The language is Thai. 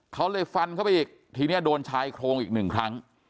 เขาเลยฟันเข้าไปอีกทีนี้โดนชายโครงอีกหนึ่งครั้ง